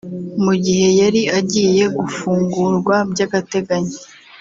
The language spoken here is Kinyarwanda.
Mu gihe yari agiye gufungurwa by’agateganyo